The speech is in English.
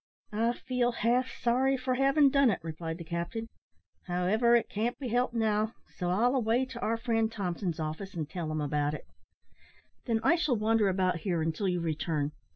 "I feel half sorry for havin' done it," replied the captain; "however, it can't be helped now, so I'll away to our friend Thompson's office, and tell him about it." "Then I shall wander about here until you return.